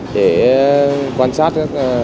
để quan sát